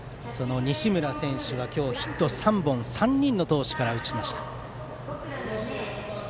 西村選手が今日ヒット３本３人の投手から打ちました。